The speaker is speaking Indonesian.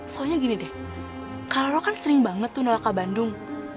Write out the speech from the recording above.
soalnya gini deh kak roro kan sering banget tuh nolak kak bandung